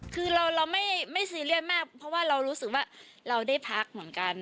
คือเราไม่ซีเรียสมากเพราะว่าเรารู้สึกว่าเราได้พักเหมือนกัน